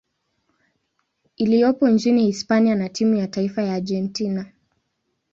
iliyopo nchini Hispania na timu ya taifa ya Argentina.